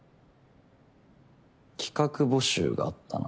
企画募集があったな。